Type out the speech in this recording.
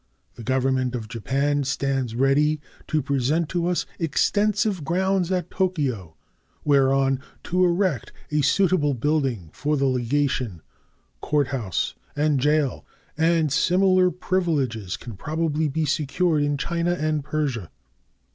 The Government of Japan stands ready to present to us extensive grounds at Tokyo whereon to erect a suitable building for the legation, court house, and jail, and similar privileges can probably be secured in China and Persia.